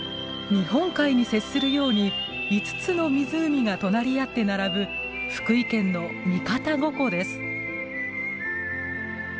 日本海に接するように５つの湖が隣り合って並ぶ福井県の三方五湖です。